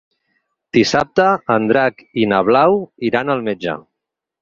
Dissabte en Drac i na Blau iran al metge.